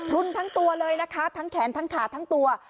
รุนทั้งตัวเลยนะคะทั้งแขนทั้งขาทั้งตัว